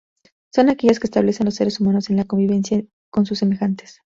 Son aquellas que establecen los seres humanos en la convivencia con sus semejantes.